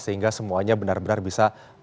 sehingga semuanya benar benar bisa